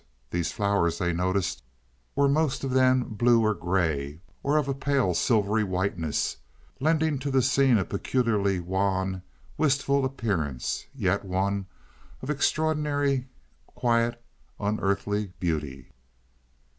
These flowers, they noticed, were most of them blue or gray, or of a pale silvery whiteness, lending to the scene a peculiarly wan, wistful appearance, yet one of extraordinary, quite unearthly beauty.